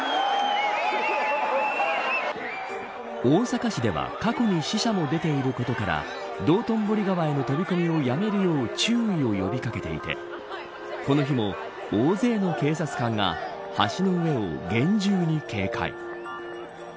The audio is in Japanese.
大阪市では過去に死者も出ていることから道頓堀川への飛び込みをやめるよう注意を呼び掛けていてこの日も大勢の警察官が橋の上を厳重に警戒。